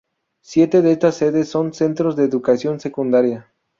Siete de estas sedes son Centros de educación secundaria.